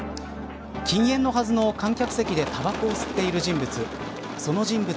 禁煙のはずの観客席でたばこを吸っている人物。